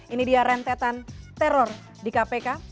ini dia rentetan teror di kpk